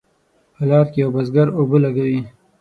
په لار کې یو بزګر اوبه لګوي.